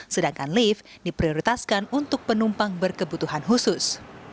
sedangkan lift diprioritaskan untuk penumpang berkebutuhan khusus